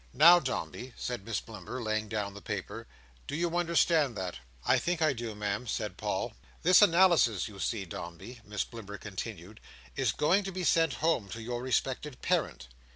Now, Dombey," said Miss Blimber, laying down the paper, "do you understand that?" "I think I do, Ma'am," said Paul. "This analysis, you see, Dombey," Miss Blimber continued, "is going to be sent home to your respected parent.